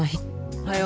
おはよう。